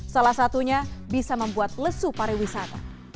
salah satunya bisa membuat lesu para wisata